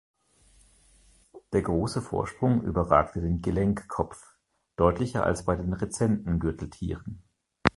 Der große Vorsprung überragte den Gelenkkopf deutlicher als bei den rezenten Gürteltieren.